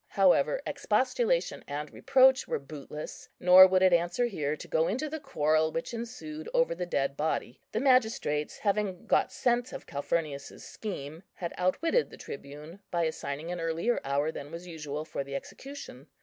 However, expostulation and reproach were bootless; nor would it answer here to go into the quarrel which ensued over the dead body. The magistrates, having got scent of Calphurnius's scheme, had outwitted the tribune by assigning an earlier hour than was usual for the execution.